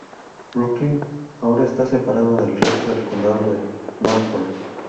Brookline ahora está separado del resto del condado de Norfolk.